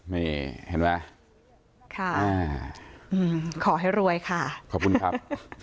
นี่เห็นไหมค่ะขอให้รวยค่ะขอบคุณครับ